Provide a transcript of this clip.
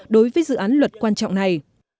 đối với dự án luật quan trọng này